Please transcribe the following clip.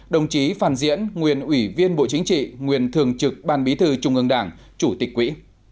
đồng chí phan diễn nguyên ủy viên bộ chính trị nguyên thường trực ban bí thư trung ương đảng chủ tịch quỹ